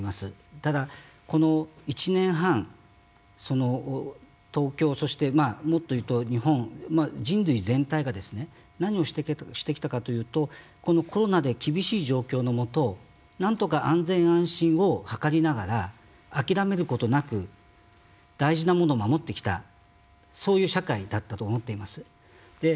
ただ、この１年半東京、そしてもっと言うと日本人類全体が何をしてきたかというとこのコロナで厳しい状況のもとなんとか安全・安心を図りながら諦めることなく大事なものを守ってきたそういう社会だったと思っています。